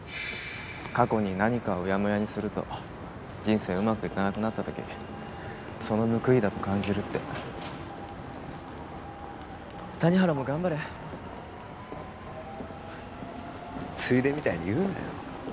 過去に何かをうやむやにすると人生うまくいかなくなった時その報いだと感じるって谷原も頑張れついでみたいに言うなよ